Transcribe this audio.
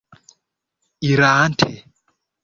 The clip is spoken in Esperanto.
irante